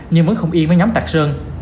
nhưng vẫn không yên với nhóm tạc sơn